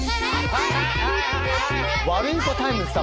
ワルイコタイムス様。